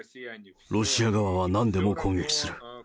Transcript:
ロシア側はなんでも攻撃する。